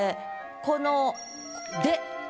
この「で」。